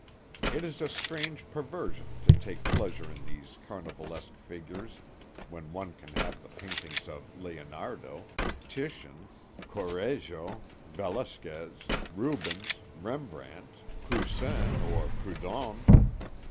It is a strange perversion to take pleasure in these carnivalesque figures when one can have the paintings of Leonardo, Titian, Correggio, Velasquez, Rubens, Rembrandt, Poussin, or Prud'hon.